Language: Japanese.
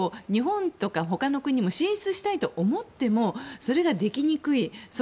でも、日本とか他国が進出したいと思ってもそれがやりにくい。